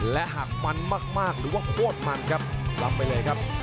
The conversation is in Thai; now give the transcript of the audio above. และหากมันมากหรือว่าโคตรมันครับรับไปเลยครับ